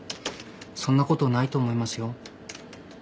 そんなことないと思いますよ。